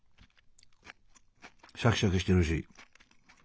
シャキシャキしてるし。